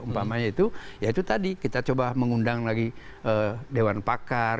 umpamanya itu tadi kita coba mengundang lagi dewan pakar